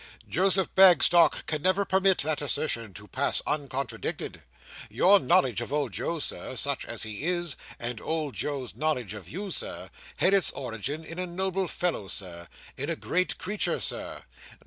Joseph Bagstock can never permit that assertion to pass uncontradicted. Your knowledge of old Joe, Sir, such as he is, and old Joe's knowledge of you, Sir, had its origin in a noble fellow, Sir—in a great creature, Sir.